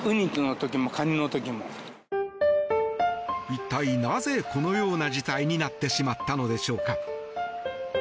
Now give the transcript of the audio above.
一体なぜ、このような事態になってしまったのでしょうか。